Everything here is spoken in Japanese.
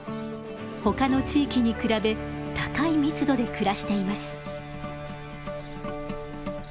他の地域に比べ高い密度で暮らしています。